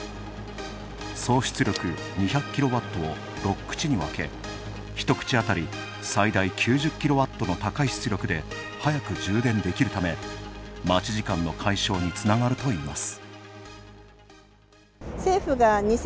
総出力２００ｋＷを６口に分け、一口あたり、最大９０ｋＷの高い出力で早く充電できるため、待ち時間の解消につながるといいます。